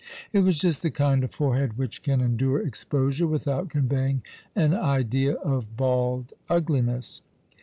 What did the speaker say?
It was just the kind of forehead which can endure exposure without conveying an idea of bald ugliness.